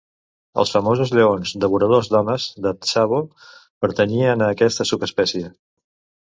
Els famosos lleons devoradors d'homes de Tsavo pertanyien a aquesta subespècie.